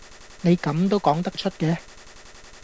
你咁都講得出嘅